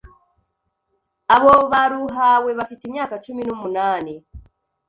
Abo baruhawe bafite imyaka cumi numunani